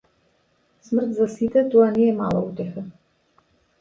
Смрт за сите тоа не е мала утеха.